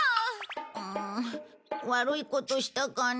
うーん悪いことしたかな。